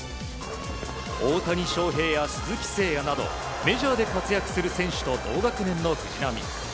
大谷翔平や鈴木誠也などメジャーで活躍する選手と同学年の藤浪。